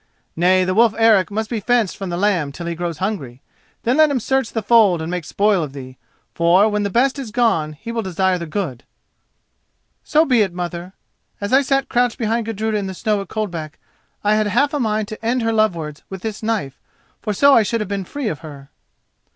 Nay, the wolf Eric must be fenced from the lamb till he grows hungry. Then let him search the fold and make spoil of thee, for, when the best is gone, he will desire the good." "So be it, mother. As I sat crouched behind Gudruda in the snow at Coldback, I had half a mind to end her love words with this knife, for so I should have been free of her."